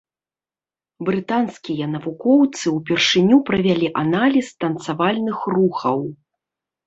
Брытанскія навукоўцы ўпершыню правялі аналіз танцавальных рухаў.